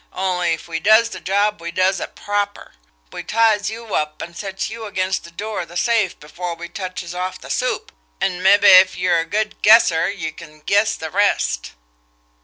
Only if we does the job we does it proper. We ties you up and sets you against the door of the safe before we touches off the 'soup,' an' mabbe if yer a good guesser you can guess the rest."